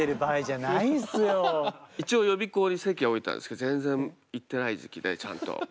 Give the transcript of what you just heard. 一応予備校に籍は置いたんですけど全然行ってない時期でちゃんと。